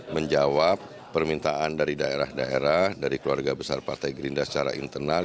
menjawab permintaan dari daerah daerah dari keluarga besar partai gerindra secara internal